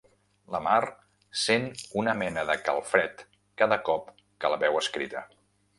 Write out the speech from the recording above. La Mar sent una mena de calfred cada cop que la veu escrita.